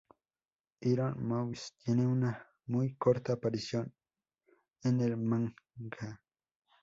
Iron Mouse tiene una muy corta aparición en el manga.